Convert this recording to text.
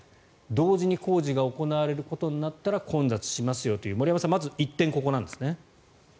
同時に工事が行われることになったら混雑しますよという森山さん、まず１点ここなんですね。